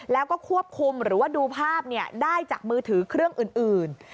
แล้วก็ควบคุมหรือว่าดูภาพได้จากมือถือเครื่องอื่น